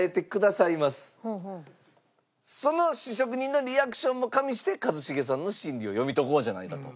その試食人のリアクションも加味して一茂さんの心理を読み解こうじゃないかと。